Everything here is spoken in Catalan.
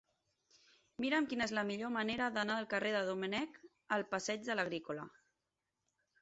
Mira'm quina és la millor manera d'anar del carrer de Domènech al passeig de l'Agrícola.